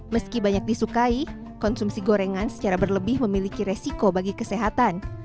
meski banyak disukai konsumsi gorengan secara berlebih memiliki resiko bagi kesehatan